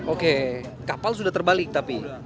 oke kapal sudah terbalik tapi